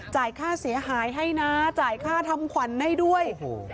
ค่าเสียหายให้นะจ่ายค่าทำขวัญให้ด้วย